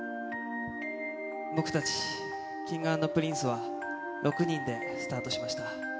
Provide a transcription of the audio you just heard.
僕たちＫｉｎｇ＆Ｐｒｉｎｃｅは、６人でスタートしました。